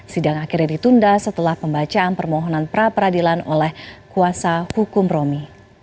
sidang akhirnya ditunda setelah pembacaan permohonan pra peradilan oleh kuasa hukum romi